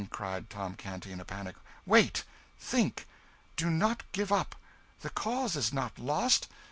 cried Tom Canty, in a panic, "wait! think! Do not give up! the cause is not lost!